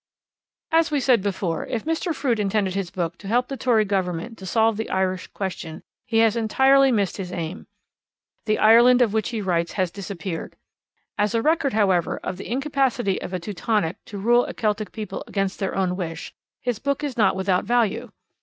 As we said before, if Mr. Froude intended his book to help the Tory Government to solve the Irish question he has entirely missed his aim. The Ireland of which he writes has disappeared. As a record, however, of the incapacity of a Teutonic to rule a Celtic people against their own wish, his book is not without value.